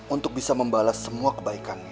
untuk bisa membalas semua kebaikannya